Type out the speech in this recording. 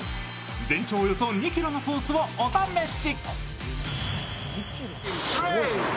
全長およそ２ｋｍのコースをお試し。